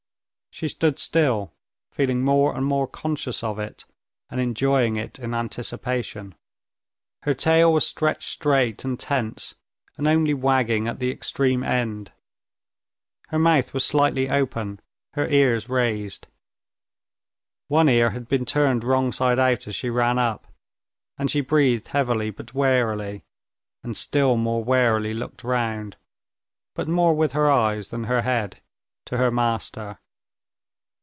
She stood still, feeling more and more conscious of it, and enjoying it in anticipation. Her tail was stretched straight and tense, and only wagging at the extreme end. Her mouth was slightly open, her ears raised. One ear had been turned wrong side out as she ran up, and she breathed heavily but warily, and still more warily looked round, but more with her eyes than her head, to her master.